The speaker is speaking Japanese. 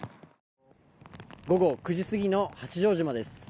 午後９時過ぎの八丈島です。